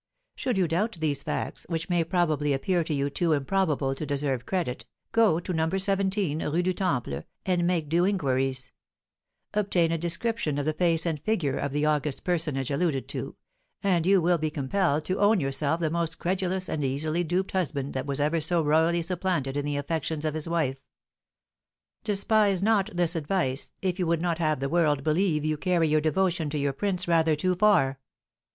Should you doubt these facts, which may probably appear to you too improbable to deserve credit, go to No. 17 Rue du Temple, and make due inquiries; obtain a description of the face and figure of the august personage alluded to; and you will be compelled to own yourself the most credulous and easily duped husband that was ever so royally supplanted in the affections of his wife. Despise not this advice, if you would not have the world believe you carry your devotion to your prince rather too far."